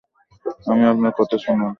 আপনি আমার কথা শুনেন।